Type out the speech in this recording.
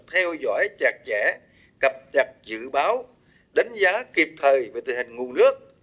theo dõi chặt chẽ cập nhật dự báo đánh giá kịp thời về tình hình nguồn nước